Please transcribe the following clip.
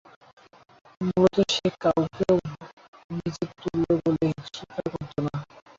মূলত সে কাউকেও নিজের তুল্য বলে স্বীকার করত না।